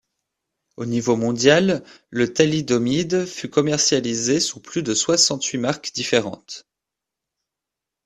Au niveau mondial, le thalidomide fut commercialisé sous plus de soixante-huit marques différentes.